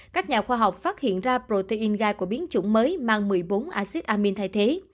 các nhà khoa học phát hiện ra protein gai của biến chủng mới mang một mươi bốn acid amin thay thế